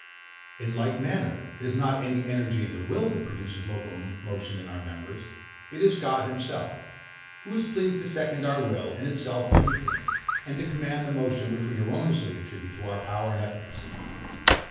In like manner, it is not any energy in the will that produces local motion in our members: It is God himself, who is pleased to second our will, in itself impotent, and to command that motion which we erroneously attribute to our own power and efficacy.